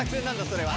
それは。